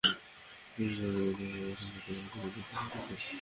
আমরা চাই জানুয়ারির মধ্যে চট্টগ্রামে হাইকোর্টের সার্কিট বেঞ্চের কার্যক্রম শুরু হোক।